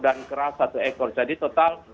dan keras satu ekor jadi total